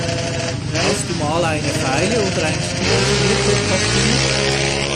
Hast du mal eine Feile oder ein Stück Schmirgelpapier?